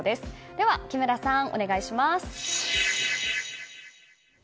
では木村さん、お願いします。